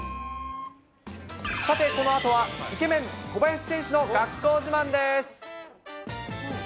さて、このあとはイケメン、小林選手の学校自慢です。